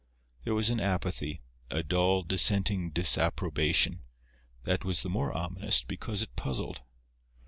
There was an apathy, a dull, dissenting disapprobation, that was the more ominous because it puzzled.